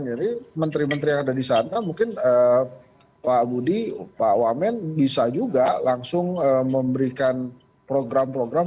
jadi menteri menteri yang ada di sana mungkin pak budi pak wamen bisa juga langsung memberikan program program